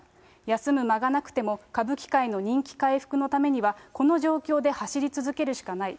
休む間がなくても、歌舞伎界の人気回復のためには、この状況で走り続けるしかない。